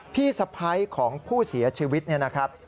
พี่สะพ้ายของผู้เสียชีวิตเนี่ยนะครับ